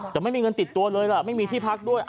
แต่ไม่มีเงินติดตัวเลยล่ะไม่มีที่พักด้วย